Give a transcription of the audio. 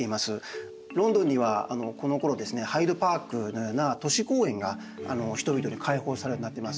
ロンドンにはこのころですねハイドパークのような都市公園が人々に開放されるようになってます。